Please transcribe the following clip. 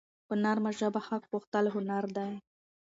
په نرمه ژبه حق غوښتل هنر دی.